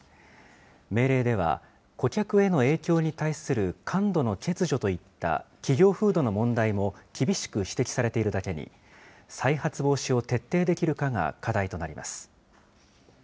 命令では、顧客への影響に対する感度の欠如といった企業風土の問題も厳しく指摘されているだけに、再発防止を徹底できるかが課題となります。